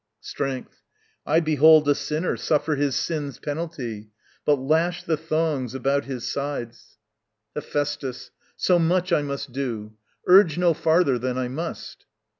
Strength. I behold A sinner suffer his sin's penalty. But lash the thongs about his sides. Hephæstus. So much, I must do. Urge no farther than I must.